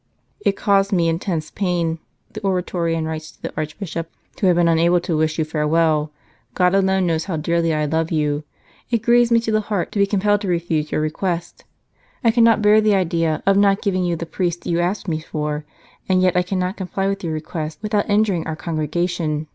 " It caused me intense pain," the Oratorian writes to the Archbishop, " to have been unable to wish you farewell. God alone knows how dearly I love you ! It grieves me to the heart to be compelled to refuse your request ; I cannot bear the idea of not giving you the priests you ask me for, and yet I cannot comply with your request without injuring our Congregation.